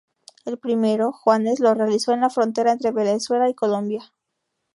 El primero, Juanes lo realizó en la frontera entre Venezuela y Colombia.